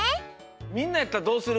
みんなやったらどうする？